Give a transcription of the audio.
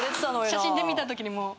写真で見た時にもう。